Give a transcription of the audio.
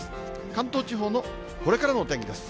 関東地方のこれからのお天気です。